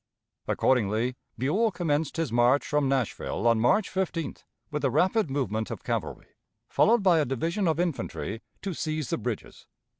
Accordingly, Buell commenced his march from Nashville on March 15th, with a rapid movement of cavalry, followed by a division of infantry, to seize the bridges.